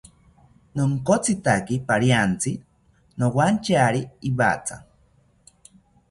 Nonkotzitaki pariantzi nowantyari iwatha